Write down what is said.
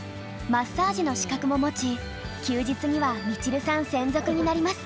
マッサージの資格も持ち休日にはみちるさん専属になります。